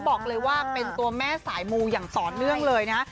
บอกเลยว่าเป็นตัวแม่สายมูอย่างต่อเนื่องเลยนะ